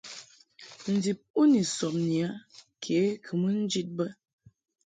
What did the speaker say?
Ndib u ni sɔbni a ke kɨ mɨ njid bə.